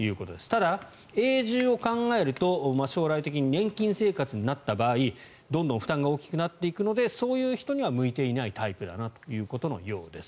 ただ、永住を考えると将来的に年金生活になった場合どんどん負担が大きくなっていくのでそういう人には向いていないタイプだなということのようです。